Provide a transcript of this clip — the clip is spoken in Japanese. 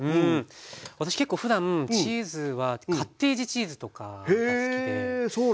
私結構ふだんチーズはカッテージチーズとかが好きで食べるんですけど。